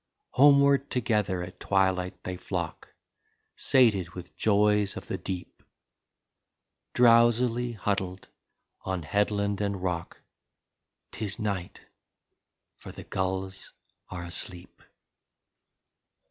Homeward together at twilight they flock. Sated with joys of the deep. Drowsily huddled on headland and rock — 'Tis night, for the gulls are asleep.